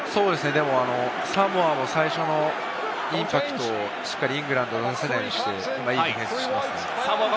でもサモアも最初のインパクト、しっかりイングランド出せないようにしてディフェンスをしてますね。